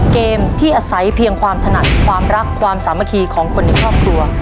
เกมที่อาศัยเพียงความถนัดความรักความสามัคคีของคนในครอบครัว